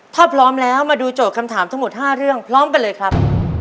ถ้าพร้อมแล้วมาดูโจทย์คำถามทั้งหมด๕เรื่องพร้อมกันเลยครับ